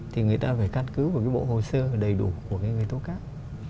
thì người ta phải căn cứ vào cái bộ hồ sơ đầy đủ của cái người tổ cao